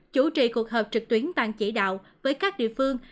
chủ trì cuộc hợp trực tuyến tăng chỉ đạo với các địa phương